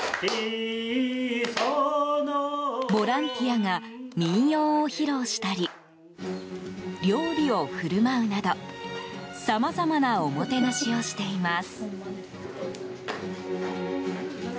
ボランティアが民謡を披露したり料理を振る舞うなどさまざまなおもてなしをしています。